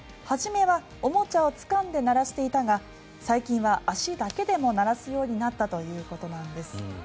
初めは、おもちゃをつかんで鳴らしていたが最近は足だけでも鳴らすようになったということなんです。